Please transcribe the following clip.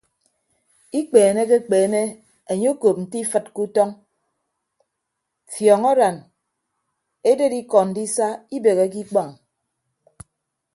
Ikpeenekekpeene enye okop nte ifịd ke utọñ fiọñaran eded ikọ ndisa ibeheke ikpọñ.